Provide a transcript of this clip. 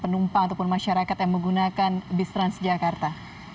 penumpang ataupun masyarakat yang menggunakan bis transjakarta